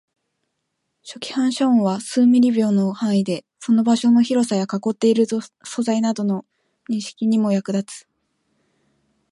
初期反射音は数ミリ秒の範囲で、その場所の広さや囲っている素材などの認知にも役立つ